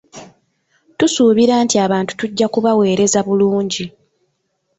Tusuubira nti abantu tujja kubaweereza bulungi.